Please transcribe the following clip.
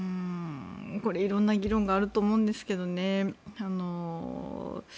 これ、色んな議論があると思うんですけどね。